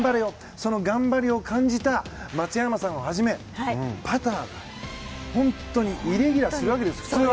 その頑張りを感じた松山さんをはじめパター、本当にイレギュラーするわけです。